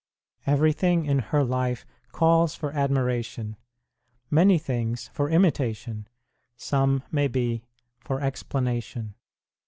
Everything in her life calls for admira tion, many things for imitation, some, maybe, for explanation.